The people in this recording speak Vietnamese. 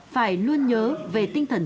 phải luôn nhớ về tinh thần